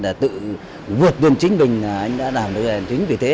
là tự vượt vươn chính bình anh đã làm được chính vì thế